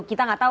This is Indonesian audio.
kita gak tau